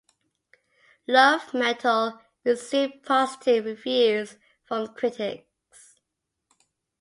"Love Metal" received positive reviews from critics.